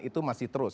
itu masih terus